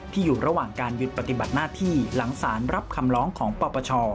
อยู่ระหว่างการหยุดปฏิบัติหน้าที่หลังสารรับคำร้องของปปช